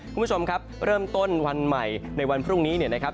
คุณผู้ชมครับเริ่มต้นวันใหม่ในวันพรุ่งนี้เนี่ยนะครับ